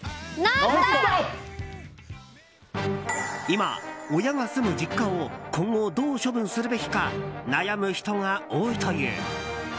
今、親が住む実家を今後どう処分するべきか悩む人が多いという。